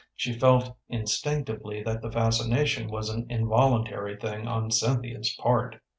She felt instinctively that the fascination was an involuntary thing on Cynthia's part.